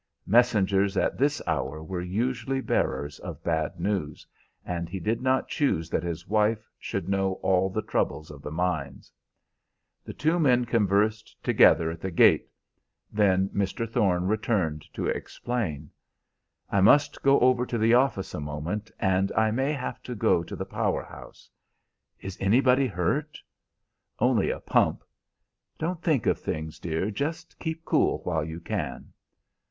Messengers at this hour were usually bearers of bad news, and he did not choose that his wife should know all the troubles of the mines. The two men conversed together at the gate; then Mr. Thorne returned to explain. "I must go over to the office a moment, and I may have to go to the power house." "Is anybody hurt?" "Only a pump. Don't think of things, dear. Just keep cool while you can."